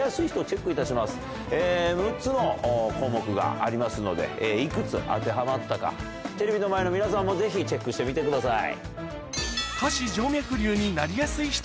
６つの項目がありますのでいくつ当てはまったかテレビの前の皆さんもぜひチェックしてみてください。